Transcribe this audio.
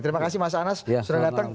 terima kasih mas anas sudah datang